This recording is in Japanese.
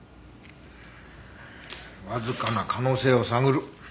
わずかな可能性を探る。